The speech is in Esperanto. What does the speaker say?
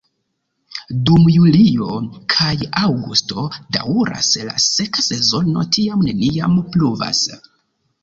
Dum julio kaj aŭgusto daŭras la seka sezono, tiam neniam pluvas.